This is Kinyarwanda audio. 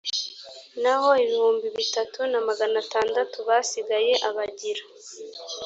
naho ibihumbi bitatu na magana atandatu basigaye abagira